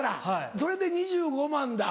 それで２５万円だ。